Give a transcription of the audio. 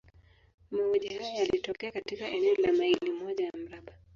Mauaji haya yalitokea katika eneo la maili moja ya mraba.